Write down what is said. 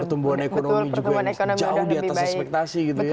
pertumbuhan ekonomi juga jauh di atas ekspektasi gitu ya